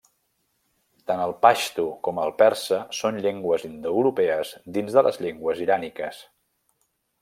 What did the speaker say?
Tant el paixtu com el persa són llengües indoeuropees dins de les llengües iràniques.